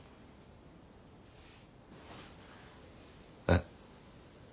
えっ？